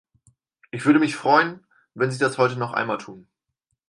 Ich würde mich freuen, wenn sie das heute noch einmal tun.